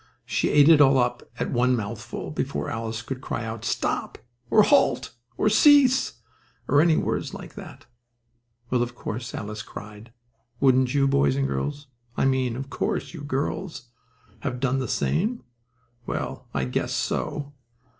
She ate it all up at one mouthful, before Alice could cry out "stop" or "halt" or "cease" or any words like that. Well, of course, Alice cried. Wouldn't you, boys and girls I mean, of course, you girls have done the same? Well, I guess so!